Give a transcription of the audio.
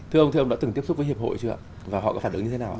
thưa ông thưa ông đã từng tiếp xúc với hiệp hội chưa ạ và họ có phản ứng như thế nào